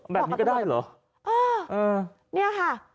แบบนี้ก็ได้เหรอเออเนี่ยค่ะ